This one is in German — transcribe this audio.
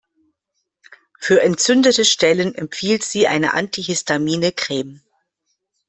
Für entzündete Stellen empfiehlt sie eine antihistamine Creme.